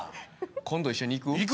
今度一緒に行く？